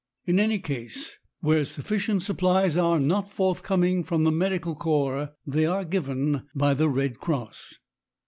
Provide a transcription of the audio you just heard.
In any case, where sufficient supplies are not forthcoming from the Medical Corps, they are given by the Red Cross.